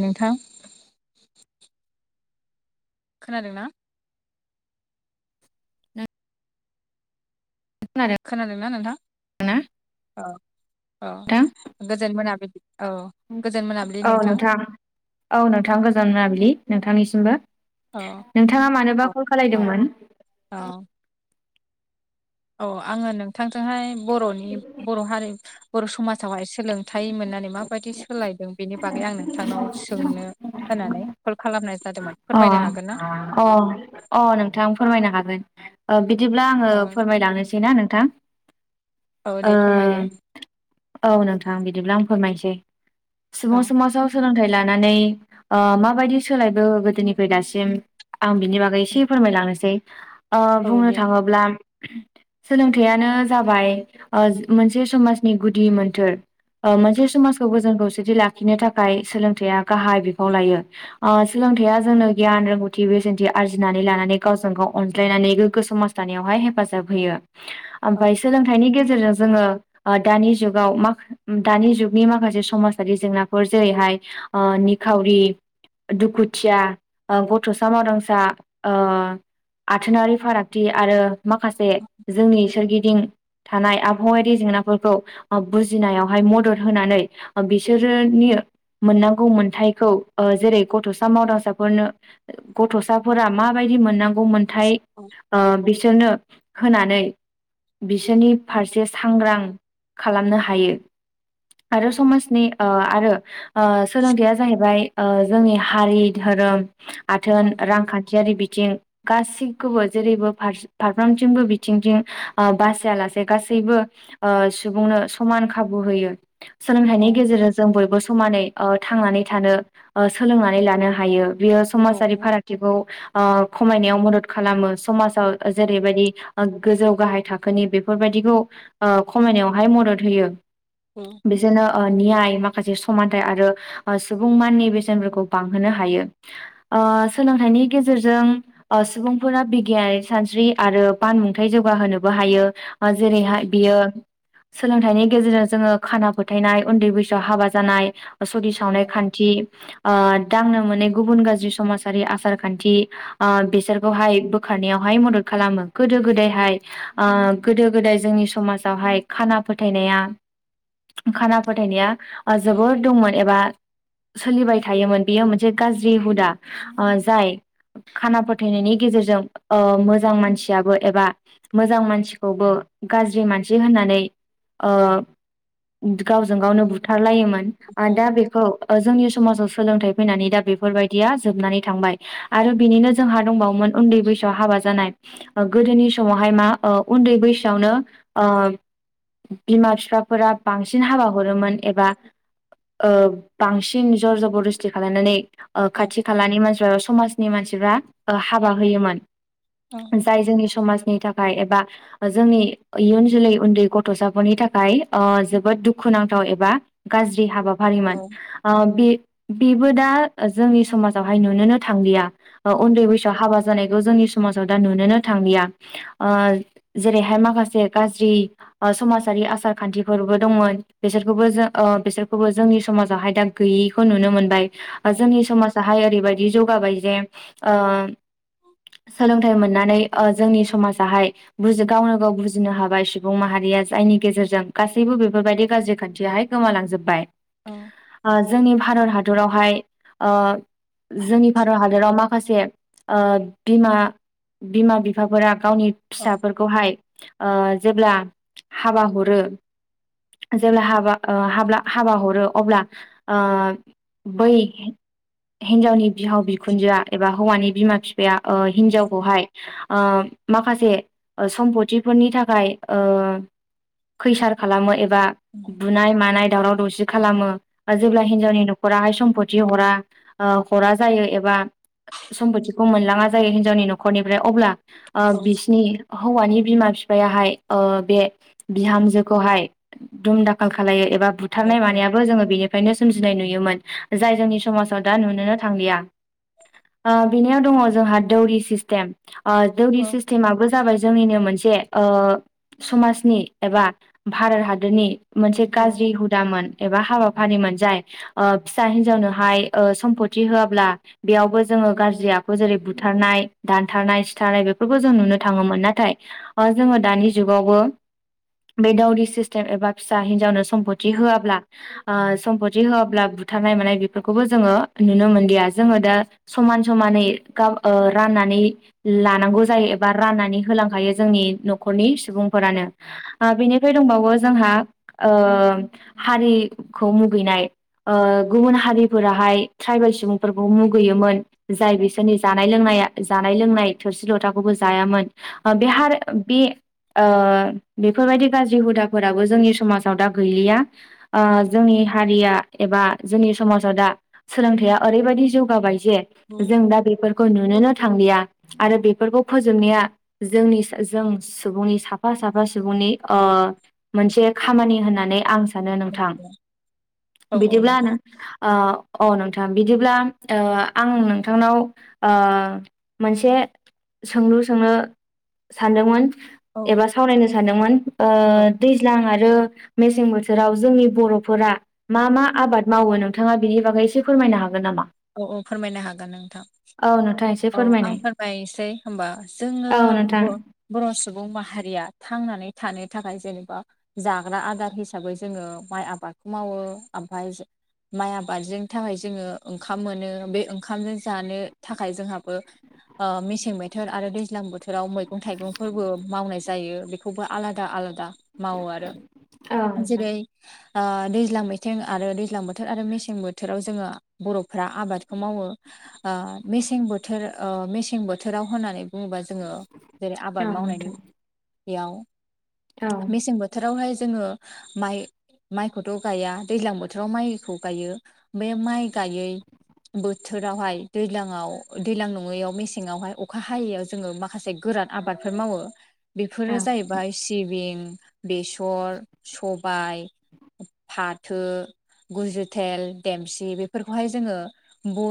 नोंथां खोनादोंना? नों खोनादों खोनादोंना नोंथां ना औ औ नोंथां? गोजोन मोनाबिलि औ नोंथां, औ नोंथां गोजान मोनाबिलि नोंथांनिसिमबो। औ नोंथाङा मानोबा औ कल औ खालायदोंमोन? औ आङो नोंथांजोंहाय बर'नि बर' हारि बर' समाजावहाय सोलोंथाइ मोननानै माबायदि सोलायदों बेनि बागै आं नोंथांनाव सोंनो होननानै कल खालामनाय जादोंमोन अ फोरमायनो हागोन ना अ अ नोंथां फोरमायनो हागोन [unintelligible] बिदिब्ला आङो औ फोरमायलांनोसै ना नोंथां। औ दे फोरमायदो औ नोंथां बिदिब्ला आं फोरमायसै। औ सुबुं समाजाव सोलोंथाइ लानानै ओ माबयदि सोलायखो गोदोनिफ्राय दासिम। आं बिनि बागै एसे फोरमायलांनोसै। ओ औ बुंनो दे थाङोब्ला सोलोंथाइयानो जाबाय ओ मोनसे समाजनि गुदि मोन्थोर। ओ मोनसे समाजखौ गोजोन खौसेथि लाखिनो थाखाय सोलोंथाइया गाहाय बिफाव लायो। ओ सोलोंथाइया जोंनो गियान रोंगौथि बिसेनथि आरजिनानै लानानै गावजों गाव अनज्लायनानै गोग्गो समाज थानायानायावहाय हेफाजाब होयो। औ ओमफाय सोलोंथाइनि गेज जेरजों जोङो ओ दानि जुगाव माख दानि जुगनि माखासे समाजारि जेंनाफोर जेरैहाय ओ औ निखावरि दुखुथिया ओ गथ'सा मावदांसा ओ आथोनारि फारागथि आरो माखासे जोंनि सोरगिदिं थानाय आबहावायारि जेंनाफोरखौ बुजिनायावहाय मदद होनानै बिसोरोनि मोनांगौ मोनथायखौ ओ जेरै गथ'सा मावदांसा फोरनो गथ'साफोरा माबायदि मोननांगौ मोनथाय औ ओ बिसोरनो होनानै बिसोरनि फारसे सांग्रां खालामनो हायो। आरो समाजनि ओ आरो ओ सोलोंथायया जाहैबाय जोंनि हारि धोरोम औ आथोन रांखान्थियारि बिथिं गासैखौबो जेरैबो फारस फारफ्रामथिंबो बिथिंजोंं बासायालासे गासैबो ओ सुबुंनो समान खाबु होयो। औ सोलोंथाइनि गेजेरजों जों बयबो समानै ओ थांनानै थानो सोलोंनानै लानो हायो। बियो औ समाजारि फारागथिखौ ओ खमायनायाव मदद खालामो समाजाव जेरैबायदि गोजौ गाहाय थाखोनि बेफोरबायदिखौ ओ खमायनायावहाय मदद होयो औ बिसोरनो ओ नियाय मा माखासे समानथाइ आरो ओ सुबुं माननि बेसेनफोरखौ बांहोनो हायो ओ सोलोंथाइनि गेजेरजों ओ सुबुंफोरा बिगियान सानस्रि आरो बान मुंथाय जौगाहोनोबो हायो जेरैहाय बियो सोलोंथाइनि गेजेरजों जोङो खाना फोथायनाय उन्दै बैसोआव हाबा जानाय सति सावनाय खान्थि ओ दांनो मोनै गुबुन गाज्रि समाजारि आसार खान्थि ओ बेसोरखौहाय बोखारनायावहाय मदद खालामो गोदो गोदायहाय ओ गोदो गोदाय जोंनि समाजावहाय खाना फोथायनाया खाना फोथायनाया ओ जोबोर दंमोन एबा सोलिबाय थायोमोन बेयो मोनसे गाज्रि हुदा ओ जाय खाना फोथायनायनि गेजेरजों ओ मोजां मानसियाबो एबा मोजां मानसिखौबो गाज्रि मानसि होननानै ओ गावजों गावनो बुथारलायोमो मोन ओ दा बेखौ जोंनि समाजाव सोलोंथाइ फैनानै दा बेफोरबायदिया जोबनानै थांबाय आरो बिनिनो जोंहा दंबावोमोन उन्दै बैसोआव हाबा जानाय गोदोनि समावहाय मा ओ उन्दै बैसोआवनो ओ बिमा बिफाफोरा बांसिन हाबा हरोमोन एबा ओ बांसिन जरजबदस्त खालायनानै ओ खाथि खालानि मानसिफ्रा समाजनि मानसिफ्रा ओ हाबा होयोमोन जाय जोंनि समाज नि थाखाय एबा जोंनि इयुन जोलै उन्दै गथ'साफोरनि थाखाय ओ जोबोद दुखु दुखुनांथाव एबा गाज्रि हाबा औ हारिमोन ओ बे बेबो दा जोंनि समाजावहाय नुननोनो थांलिया अ औ उन्दै बैसो हाबाज जानायखौ जोंनि समाजाव दा नुनोनो थांलिया ओ जेरैहाय माखासे गाज्रि समाजारि आसार खान्थिफोरबो दंमोन बिसोरखौबो जों ओ बिसोरखौबो जोंनि समाजावहाय दाग गोयिखौ नुनो मोनबाय ओ औ जोंनि समासाहाय ओरैबाय बिदि जौगाबाय जे ओ औ सोलोंथाइ मोननानै ओ जोंनि समाजाहाय बुज गावनो गाव बुजिनो हाबाय सुबुं माहारि या जायनि गेजेरजों गासैबो बेफोरबायदि गाज्रि खान्थियााहाय गोमालांजोब्बाय। ओ जोंनि भारत हादरावहाय ओ जोंनि भारत हादराव मा माखासे ओ बिमा बिमा बिफाफोरा गावनि औ फिसाफोरखौहाय ओ जेब्ला हाबा हरो जेब्ला हाबा हाब्ला हाबा हरो अब्ला ओ बै हिन्जावनि बिहाव बिखुनजोआ एबा हौवानि बिमा फिफ बेया ओ हिनजावखौहाय ओ माखासे सम्पथिफोरनि थाखाय ओ खैसार खालामो एबा बुनाय मानाय दावराव दावसि खालामो जेब्ला नोंथां हिनजावनि नख दाहाय सम्पत हरा ओ हरा जायो एबा सम्पथिखौ मोनलाङा जायो हिनजावनि न'खरनिफ्राय अब्ला ओ बिसिनि हौवानि बिमा बिफायाहाय ओ बे बिहामजोखौहाय दुम दाखाल खालामलायो एबा औ बुथारनाय मानायाबो जोङो बेनिफ्रायनो सोमजिनाय नुयोमोन। जाय जोंनि समाजाव दा नुनोनो थांलिया। बेनियाव दङ जोंहा दौरि सिस्टेम जौनि सिस्टेमाबबो जाबाय जोंनिनो मोनसे जे ओ समाजनि एबा भारत हादोरनि मोनसे गाज्रि हुदामोन एबा हाबाफारिमोन जाय फिसा हिनजावनोहाय सम्फत होआब्ला बेयावबो जोङो गाज्रि आखु जेरै बुथारनाय दानथारनाय सिथारनाय बेफोरखौ जों नुनो थाङोमोन नाथाय जोङो दानि जुगावबो बे दावरि सिस्टेम एबा फिसा हिनजावनो सम्पति होआब्ला सम्पति होआब्ला बुथारनाय मानाय बेफोरखौबो जोङो नुनो मोनलिया जोङो दा समान समानै गाब राननानै लानांगौ जायो। बा राननानै होलांखायो जोंनि न'खरनि सुबुंफोरानो बेनि बेफ्राय दंबावो जोंहा हारिखौ मुगैनाय गुबुन हारिफोराहाय ट्राइबेल सुबुंफोरखौ मुगैयोमोन जाय बिसोरनि जानाय लोंनाया जानाय लोंनाय थोरसि लथाखौबो जायामोन बे बे बेफोरबायदि गाज्रि हुदाफोराबो जोंनि समाजाव दा गैलिया जोंनि जोंनि हारिया एबा जोंनि समाजाव दा सोलोंथाइया ओरैबायदि जौगाबाय जे जों दा बेफोरखौ नुोनो। थांलिया आरो बेफोरखौ फोजोबनाया जों जों सुबुंनि साफा साफा सुबुंनि नि ओ मोनसे खामानि होननानै आं सानो नोंथां बिदि नो ओ औ अ नोंथां बिदिब्ला ओ आं नोंथांनाव ओ मोनसे सोंलु सोंनो सानदोंमोन। एबा सावरायनो सानदोंमोन ओ औ दैज्लां आर आरो मेसें बोथोराव जोंनि बर'फोरा मा मा आबाद मावो नोंथाङा बिनि बागै एसे फोरमायनो हागोन नामा? औ औ फोरमायनो हागोन नोंथां। औ नोंथां एसे औ आं फोरमायनाय फोरमायनोसै हबा जोङो औ नोंथां बर' सुबुं माहारिया थांनानै थानो थाखाय जेनेबा जाग्रा आदार हिसाबै जोङो माइ आबादखौ मावो ओमफाय माइ आबादजों थाखाय जोङो ओंखाम मोनो बे ओंखामजों जानो थाखाय जोंहाबो ओ मेसें बोथोर आरो दैज्लां बोथोराव मैगं थाइगंफोरबो मावनाय जायो बेखौबो आलादा आ दा मावो आरो औ नोंथां जेरै दैज्लां मैथिं आरो दैज्लां बोथोर आरो मेसें बोथोराव जोङो बर'फ्रा आबादखौ मावो मेसें बोथोर मेसें बोथोराव होननानै बुङोबा जों जोङो जेरै औ आबाद मावनायनि नोंथां याव औ मेसें बोथोरावहाय जोङो माइ माइखौथ' गाया दैज्लां बोथोराव माइखौ गायो बे माइ गायै बोथोरावहाय दैलांआव दैज्लां नङैआव मेसेङावहाय अखा हायैयाव जोङो माखासे गो रान आबादफोर मावो औ बेफोरो जाहैबाय सिबिं। बेसर, सबाय। फाथो, गुजुथेल, देमसि बे फोरखौहाय जोङो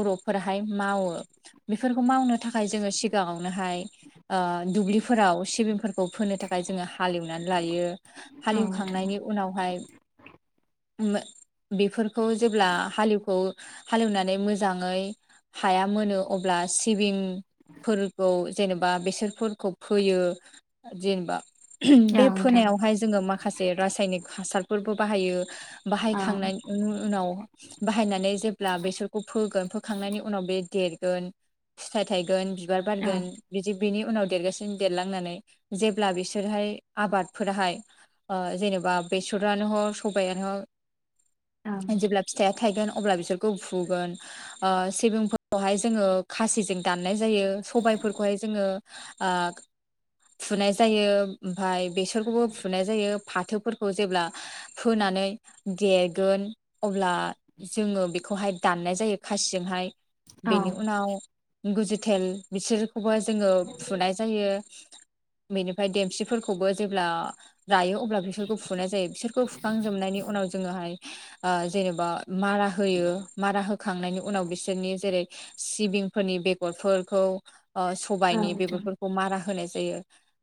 बर'फोराहाय मावो बेफोरखौ मावनो थाखाय जोङो सिगाङावनोहाय हाय ओ-दुब्लिफोराव सिबिंफोरखौ फोनो थाखाय जोङो हालेवनानै लायो औ नोंथां हालेवखांनायनि उ उनावहाय [unintelligible] बेफोरखौ जेब्ला हालेवखौ। हालेवनानै मोजाङै हाया मोनो अब्ला सिबिं। फोरफोरखौ जेनेबा बेसोरफोरखौ फोयो जेनेबा। औ बे नोंथां फोनायावहाय जोङो माखासे रासायनिक हासारफोरबो बाहायो। औ बाहायखांनायनि उनाव बाहायनानै जेब्ला बेसोरखौ फोगोन फोखांनायनि उनाव बे। देरगोन फिथाय थायगोन बिबार औ बारगोन बिदि बिनि उनाव देरगासिनो देरांनानै जेब्ला बिसोरहाय आबादफोरहाय ओ-जेनब बा बेसरनो हक सबायानो हक औ जेब्ला फिथाइआ थायगोन अब्ला बिसोर। खौ फुगोन ओ-सिबिंखौहाय जों खासि दान फुनाय जायो सबायफोरखौहाय जोङो फुनाय जायो ओमफ्राय बेसरखौबो फुनाय जायो। फाथोफोरखौ जेब्ला फोनानै देरगोन अब्ला जोङो बे। बेखौहाय दान्नाय जायो खासिजोंहाय बेनि उनाव। गुजिथेल बिसोरखौबो जोङो फुनाय जायो। बेनिफ्राय देमसिफोरखौबो जेब्ला। रायो अब्ला बिसोरखौ फुनाय जायो बिसोरखौ फुखांजोबनायनि उनाव जोङोहाय ओ-जेनेबा। मारा होयो। मारा होखांनायनि उनाव बिसोरनि जेरै सिबिंफोरनि बेगरफोरखौ। औ नोंथां औ ओ-सबायाइनि नोंथां बेफोरखौ मारा होनाय। जायो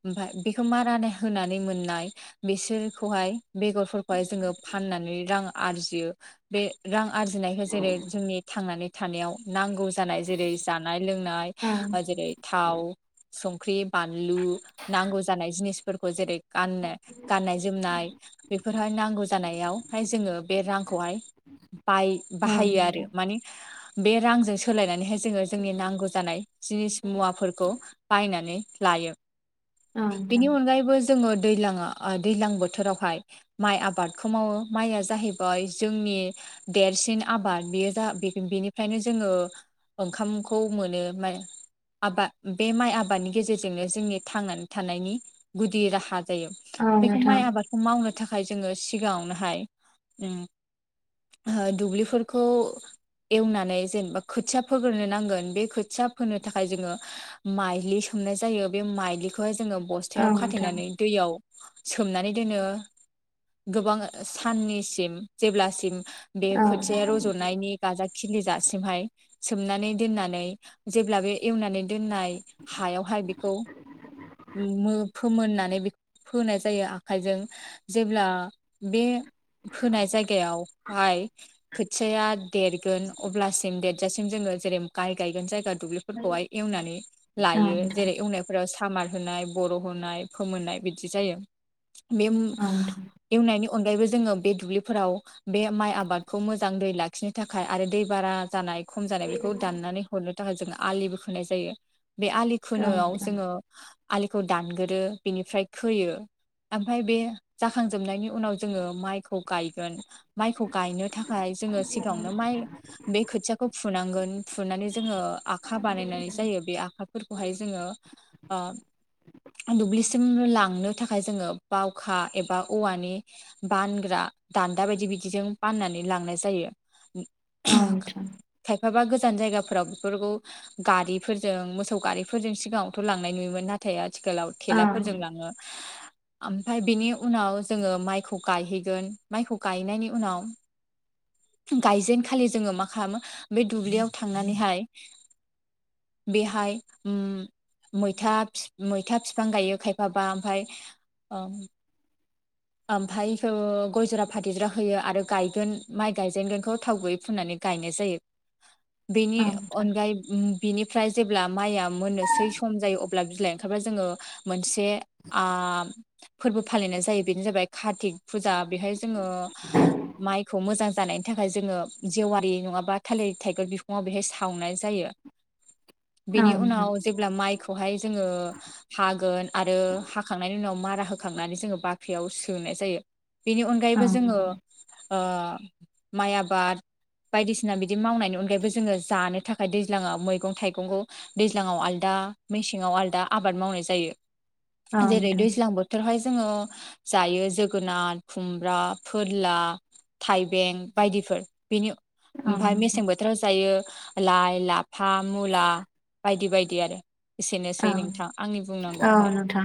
ओमफफ्राय बेखौ मारा होनानै मोननाय बिसोरखौहाय बेगरफोरखौहाय जोङो फाननानै रां आरजियो बे रां आरजिनाय जेरै जोंनि थांनानै थानायाव नांगौ जानाय जेरै जानाय लोंनाय औ ओ- जेरै थाव संख्रि। बानलु नांगौ जानाय जिनिसफोरखौ जेरै। गाननो गाननाय जोमनाय बेफोरहाय नांगौ जानायावहाय जोङो बे रांखौहाय। बाय बाहायो आरो नोंथां माने। बे रांजों सोलायनानैहाय जोङो जोंनि नांगौ जानाय जिनिस मुवाफोरखौ बायनानै। लायो औ बेनि नोंथां अनगायैबो जोङो दैलांआ-दैज्लां बोथोरावहाय माइ आबादखौ मावो माइआ जाहैबाय जोंनि। देरसिन आबाद बेयो जा बेनिफ्रायनो जोङो ओंखामखौ मोनो मा आबाद बे माइ आबादनि गेजेरजोंनो जोंनि थांनानै थानायनि गुदि राहा। जायो बेखौ माइ आबादखौ मावनो। थाखाय जोङो सिगाङावनोहाय जों ओ-दुब्लिफोरखौ। एवनानै जेनेबा खोथिया फोग्रोनो नांगोन बे खोथिया फोनो थाखाय जोङो माइलि स सुमनाय जायो बे माइलिखौहाय जोङो औ बस्थायाव नोंथां खाथेयनानै दैयाव। सोमनानै दोनो गोबां ओ-साननिसिम जेब्लासिम बे औ खोथ रजनायनि गाजा खिलि जासिमहाय सोमनानै दोननानै जेब्ला बे एवनानै दोन नाय हायावहाय बेखौ। मो-फोमोननानै बेखौ फोनाय जायो आखाइजों जेब्ला बे। फोनाय जायगायाव बाय खोथियाया देरगोन अब्लासिम देरजासिम जोङो जेरै गाइ गायगोन जायगा। दुब्लिफोरखौ हाय एवनानै औ लायो नोंथां औ नोंथां जेरै एवनायफोरा खामार होनाय बर' होनाय फोमोननाय बिदि जायो बे औ एवनायनि अनगायैबो जोङो बे दुब्लिफोराव बे माइ आबाद खौ मोजां दै लाखिनो थाखाय आरो दै बारा जानाय खम जानाय बेखौ दाननानै हरनो थाखाय जोङो आलिबो खोनाय जायो बे आलि खोनो आव नोंथां औ जोङो आलिखौ दानगोरो बिनिफ्राय खोयो ओमफाय बे जाखांजोबनायनि उनाव जोङो माइखौ गायगोन माइखौ गा थाखाय जोङो सिगाङावनो माइ बे खोथियाखौ फुनांगोन फुनानै जोङो आखा बानायनानै जायो बे आखा फोरखौहाय जोङो ओ दुब्लिसिम लांनो थाखाय जोङो बावखा एबा औवानि बानग्रा दान्दा बायदि बिदिजों फाननानै लांनाय जायो [unintelligible] नोंथां खायफाबा गोजान जायगाफोराव बेफोरखौ गारिफोरजों मोसौ गारिफोरजों सिगाङावथ लांनाय नुयोमोन नाथाय आथिखालाव औ थेलाफोरजों औ लाङो ओमफफ्राय बेनि उनाव जोङो माइखौ गायहैगोन माइखौ गायनायनि उनाव गायजेनखालि जोङो मा खालामो बे दुब्लियाव थांनानैहाय बेहाय ओम मैथा फि मैथा बिफां गायो खायफाबा ओमफाय ओ ओमफाय ओ गयजरा फाथै जिरा होयो आरो गायगोन माइ गायजेनगोनखौ थाव गैयै फुननानै गायनाय जायो बेनि नोंथां औ अनगायै बिनिफ्राय जेब्ला माइआ मोननोसै सम जायो अब्ला बिलाइ ओंखारबा जोङो मोनसे आ फोरबो फालिनाय जायो बेनो जाबाय कारतिक फुजा बेहाय जोङो माइ खौ मोजां जानायनि थाखाय जोङो जेवारि नङाबा थालिर थाइगेर बिफुाव बेहाय सावनाय जायो बेनि नोंथां औ उनाव जेब्ला माइखौहाय जोङो हागोन आरो हाखांनायनि उनाव मारा होखांनानै जोङो बाख्रियाव सोनाय जायो। बेनि अनगायैबो जोङो नोंथां ओ माइ आबाद बायदिसिना बिदि मावनायनि अनगायैबो जोङो जानो थाखाय दैज्लाङाव मैगं थाइगंखौ दैज्लाङाव आलदा मेसेंआव आदा आबाद मावनाय जायो औ जेरै नोंथां दैज्लां बोथोरावहाय जोङो जायो जोगोनार खुमब्रा फोरला थाइबें बायदिफोर बेनि औ ओमफाय नोंथां मेसें बोथोराव जायो लाइ लाफा मुला बायदि बायदि आरो एसेनोसै औ नोंथां आंनि औ बुंनांगौआहाय। नोंथां